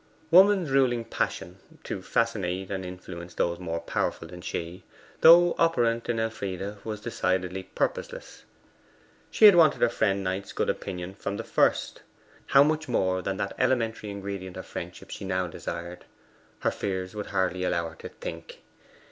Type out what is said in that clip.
Woman's ruling passion to fascinate and influence those more powerful than she though operant in Elfride, was decidedly purposeless. She had wanted her friend Knight's good opinion from the first: how much more than that elementary ingredient of friendship she now desired, her fears would hardly allow her to think.